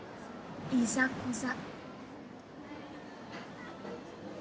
いざこざ。